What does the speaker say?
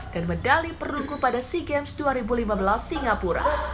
dan medali perluku pada sea games dua ribu lima belas singapura